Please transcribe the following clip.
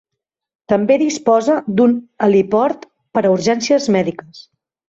També disposa d'un heliport per a urgències mèdiques.